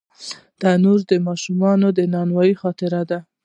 تنور د ماشومتوب د نانو خاطره ده